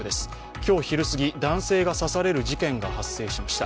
今日昼すぎ、男性が刺される事件が発生しました。